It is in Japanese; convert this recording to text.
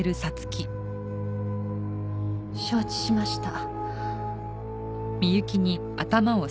承知しました。